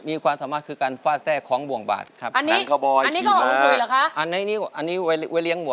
มีความสามารถคือการฟาดแทรกของบ่วงบาดครับ